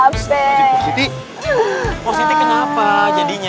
positi kenapa jadinya